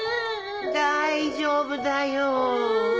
大丈夫だよ。